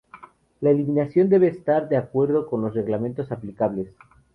La eliminación debe estar de acuerdo con los reglamentos aplicables.